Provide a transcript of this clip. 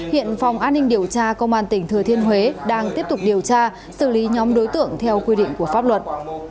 hiện phòng an ninh điều tra công an tỉnh thừa thiên huế đang tiếp tục điều tra xử lý nhóm đối tượng theo quy định của pháp luật